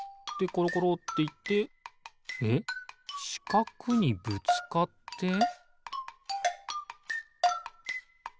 でころころっていってえっしかくにぶつかって？